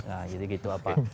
nah jadi gitu apa